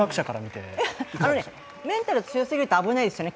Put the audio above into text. メンタル強すぎると危ないですよね。